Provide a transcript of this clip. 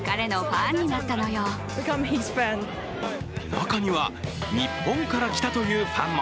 中には、日本から来たというファンも。